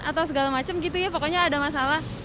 atau segala macam gitu ya pokoknya ada masalah